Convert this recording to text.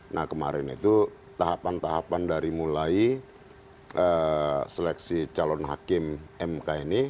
nah kemarin itu tahapan tahapan dari mulai seleksi calon hakim mk ini